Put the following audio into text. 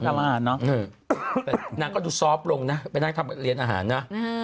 แต่นางก็ดูซอฟต์ลงนะไปนั่งทำเรียนอาหารนะ